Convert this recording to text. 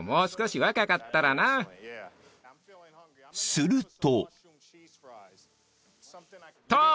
［すると］